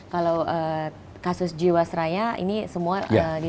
kalau kasus jiwasraya ini semua di